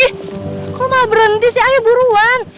ih kok malah berhenti sih ayo buruan